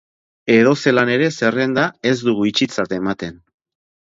Edozelan ere, zerrenda ez dugu itxitzat ematen.